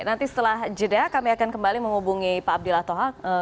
nanti setelah jeda kami akan kembali menghubungi pak abdillah tohak